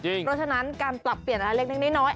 เพราะฉะนั้นการปรับเปลี่ยนอะไรเล็กน้อย